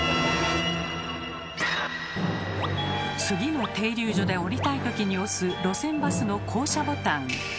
次の停留所で降りたいときに押す路線バスの降車ボタン。